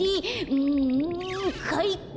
うんかいか！